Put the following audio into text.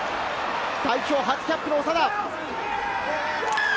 代表初キャップの長田。